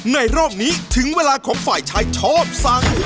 รอบนี้ถึงเวลาของฝ่ายชายชอบสั่ง